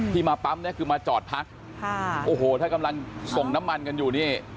มาปั๊มเนี่ยคือมาจอดพักค่ะโอ้โหถ้ากำลังส่งน้ำมันกันอยู่นี่